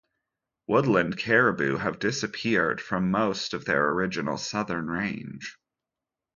Woodland caribou have disappeared from most of their original southern range.